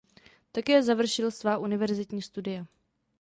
Také završil svá univerzitní studia.